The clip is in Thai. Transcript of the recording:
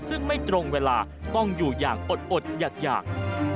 ซึ่งไม่ตรงเวลาต้องอยู่อย่างอดอยาก